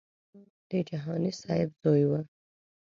د جهاني صاحب زوی و.